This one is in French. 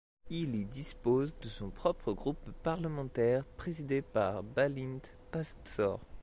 Il y dispose de son propre groupe parlementaire, présidé par Bálint Pásztor.